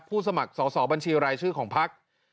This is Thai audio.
ผู้สมัครสบัญชีรายชื่อของภาพ